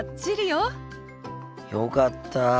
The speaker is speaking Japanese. よかった。